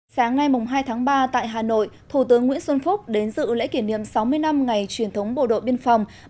sáng nay hai tháng ba tại hà nội thủ tướng nguyễn xuân phúc đến dự lễ kỷ niệm sáu mươi năm ngày truyền thống bộ đội biên phòng